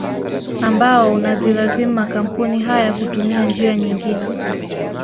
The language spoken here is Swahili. Ambao unazilazimu makampuni haya kutumia njia nyingine